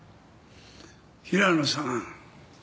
平野さん。